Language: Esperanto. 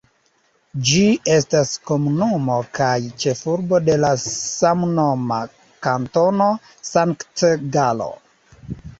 Ĝi estas komunumo kaj ĉefurbo de la samnoma Kantono Sankt-Galo.